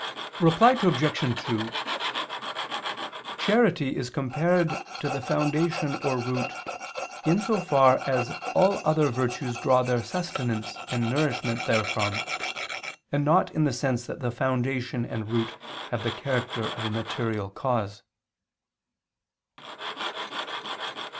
Reply Obj. 2: Charity is compared to the foundation or root in so far as all other virtues draw their sustenance and nourishment therefrom, and not in the sense that the foundation and root have the character of a material cause.